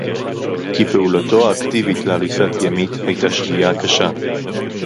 כי פעולתו האקטיבית להריסת ימית היתה שגיאה קשה